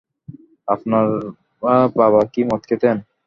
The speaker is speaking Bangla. আপনার বাবা কি মদ খেতেন?